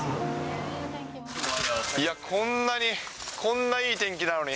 いや、こんなに、こんないい天気なのに。